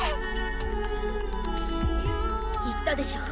言ったでしょ